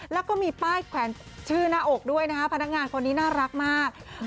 แล้วก็มีป้ายแขวนชื่อหน้าอกด้วยนะคะพนักงานคนนี้น่ารักมาก